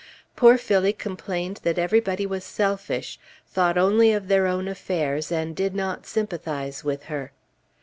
Poor Phillie complained that everybody was selfish thought only of their own affairs, and did not sympathize with her.